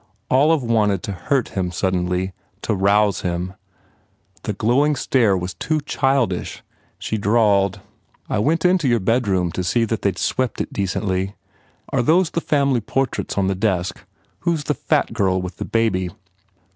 Olive wanted to hurt him suddenly, to rouse him. The glowing stare was too childish. She drawled, "I went into your bedroom to see that they d swept it decently. Are those the family portraits on the desk? Who s the fat girl with the baby?"